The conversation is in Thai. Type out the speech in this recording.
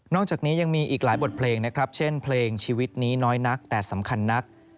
จากนี้ยังมีอีกหลายบทเพลงนะครับเช่นเพลงชีวิตนี้น้อยนักแต่สำคัญนัก